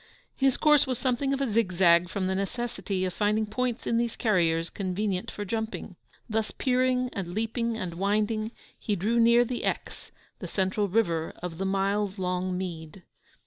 His course was something of a zigzag from the necessity of finding points in these carriers convenient for jumping. Thus peering and leaping and winding, he drew near the Exe, the central river of the miles long mead.